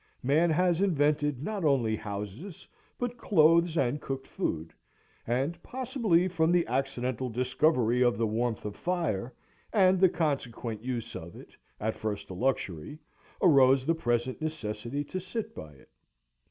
Man has invented, not only houses, but clothes and cooked food; and possibly from the accidental discovery of the warmth of fire, and the consequent use of it, at first a luxury, arose the present necessity to sit by it.